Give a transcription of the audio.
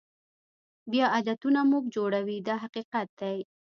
بیا عادتونه موږ جوړوي دا حقیقت دی.